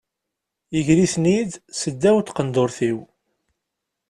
Iger-iten-id seddaw n tqendurt-iw.